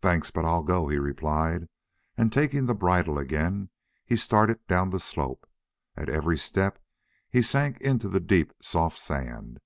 "Thanks, but I'll go," he replied, and, taking the bridle again, he started down the slope. At every step he sank into the deep, soft sand.